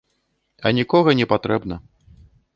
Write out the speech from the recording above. А нікога не патрэбна.